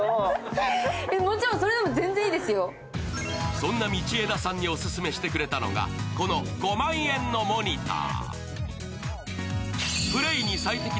そんな道枝さんにオススメしてくれたのが、この５万円のモニター。